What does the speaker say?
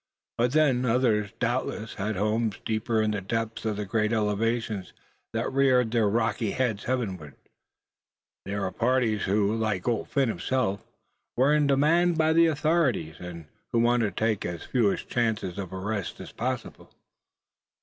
But then, others doubtless had homes deeper in the depths of the great elevations that reared their rocky heads heavenward. These were the parties who, like Old Phin himself, were in demand by the authorities, and who wanted to take as few chances of arrest as possible.